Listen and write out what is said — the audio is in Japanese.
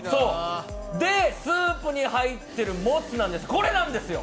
スープに入ってるもつなんですこれなんです。